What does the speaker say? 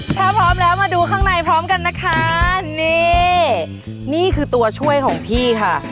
ถ้าพร้อมแล้วมาดูข้างในพร้อมกันนะคะนี่นี่คือตัวช่วยของพี่ค่ะ